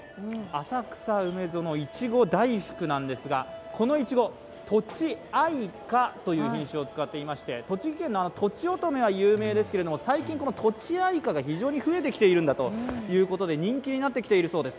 浅草梅園のいちご大福なんですけどこのいちご、とちあいかという品種を使っていまして栃木県のとちおとめは有名ですが、最近、このとちあいかが増えてきているということで人気になってきているそうです。